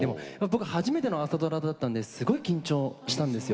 初めての朝ドラだったのですごい緊張したんですよ。